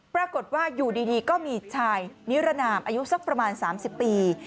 ปรากฏว่าอยู่ดีก็มีชายนิรนามอายุสักประมาณ๓๐ปี